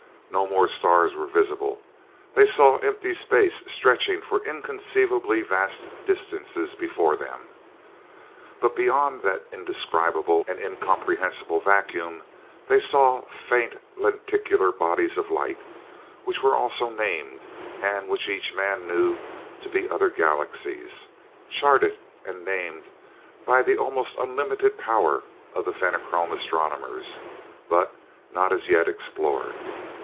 No more stars were visible: they saw empty space stretching for inconceivably vast distances before them. But beyond that indescribable and incomprehensible vacuum they saw faint lenticular bodies of light, which were also named, and which each man knew to be other galaxies, charted and named by the almost unlimited power of the Fenachrone astronomers, but not as yet explored.